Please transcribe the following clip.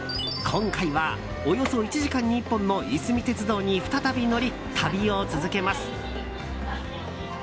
今回はおよそ１時間に１本のいすみ鉄道に再び乗り、旅を続けます。